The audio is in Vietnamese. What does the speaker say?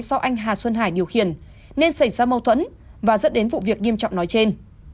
do anh hà xuân hải điều khiển nên xảy ra mâu thuẫn và dẫn đến vụ việc nghiêm trọng nói trên